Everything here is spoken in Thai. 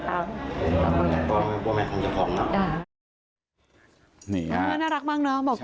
อันนี้แม่งอียางเนี่ย